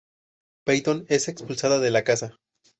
Peyton es expulsada de la casa.